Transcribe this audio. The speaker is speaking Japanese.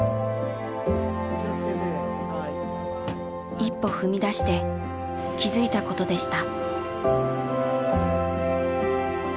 一歩踏み出して気付いたことでした。